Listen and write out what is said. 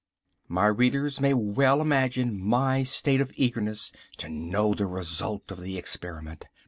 My readers may well imagine my state of eagerness to know the result of the experiment.